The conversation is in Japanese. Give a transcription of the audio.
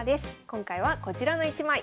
今回はこちらの一枚。